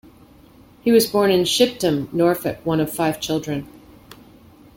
He was born in Shipdham, Norfolk, one of five children.